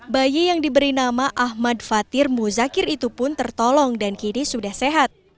bayi yang diberi nama ahmad fatir muzakir itu pun tertolong dan kini sudah sehat